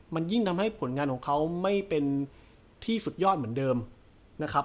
มันยิ่งทำให้ผลงานของเขาไม่เป็นที่สุดยอดเหมือนเดิมนะครับ